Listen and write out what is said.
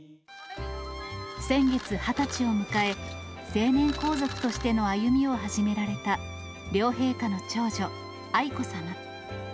先月、２０歳を迎え、成年皇族としての歩みを始められた両陛下の長女、愛子さま。